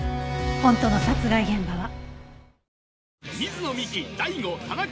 本当の殺害現場は。